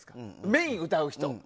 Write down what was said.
メイン歌う人。